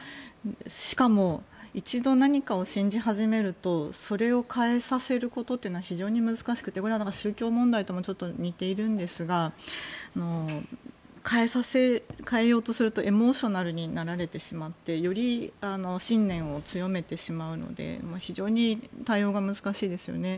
しかも一度何かを信じ始めるとそれを変えさせることっていうのは非常に難しくてこれは宗教問題ともちょっと似ているんですが変えようとするとエモーショナルになられてしまってより信念を強めてしまうので非常に対応が難しいですよね。